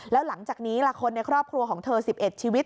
แล้วหลังจากนี้ล่ะคนในครอบครัวของเธอ๑๑ชีวิต